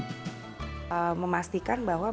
memastikan bahwa makanan ini bisa membuat anda lebih baik